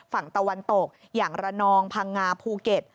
ฝั่งตะวันตกอย่างระนองพังงาภูเก็ต